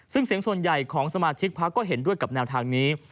ซึ่งเสียงส่วนใหญ่ของสมาชิกพักก็เห็นด้วยกับแนวทางนี้